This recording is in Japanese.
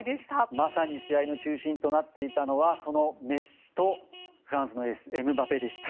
まさに試合の中心となっていたのはそのメッシとフランスのエースエムバペでした。